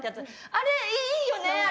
あれ、いいよね？